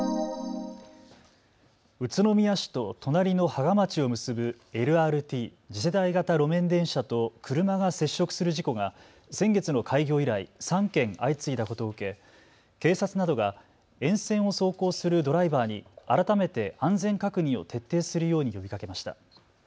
宇都宮市と隣の芳賀町を結ぶＬＲＴ・次世代型路面電車と車が接触する事故が先月の開業以来、３件相次いだことを受け警察などが沿線を走行するドライバーに改めて安全確認を徹底するように呼びかけました。